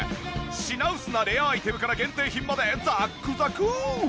品薄なレアアイテムから限定品までざっくざく！